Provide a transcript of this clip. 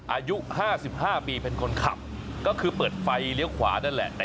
อายุ๕๕ปีเป็นคนขับก็คือเปิดไฟเลี้ยวขวานั่นแหละ